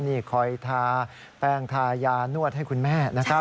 นี่คอยทาแป้งทายานวดให้คุณแม่นะครับ